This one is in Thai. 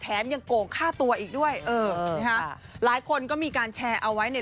ยังโกงฆ่าตัวอีกด้วยเออนะฮะหลายคนก็มีการแชร์เอาไว้ใน